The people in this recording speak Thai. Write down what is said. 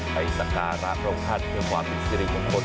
ไปสักการาบรองท่านเพื่อความเป็นซิริของคน